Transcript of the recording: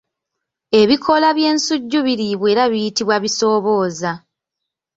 Ebikoola by'ensujju biriibwa era biyitibwa bisoobooza.